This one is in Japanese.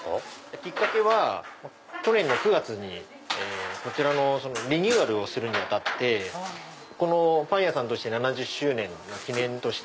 きっかけは去年の９月にこちらのリニューアルをするに当たってこのパン屋さんとして７０周年の記念として。